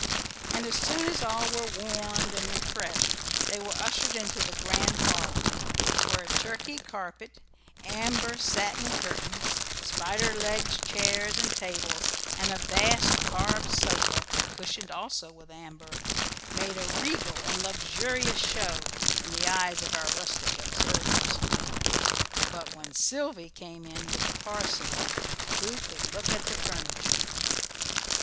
And as soon as all were warmed and refreshed they were ushered into the great parlour, where a Turkey carpet, amber satin curtains, spider legged chairs and tables, and a vast carved sofa, cushioned also with amber, made a regal and luxurious show in the eyes of our rustic observers. But when Sylvy came in with the parson, who could look at furniture?